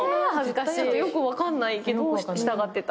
よく分かんないけど従ってた。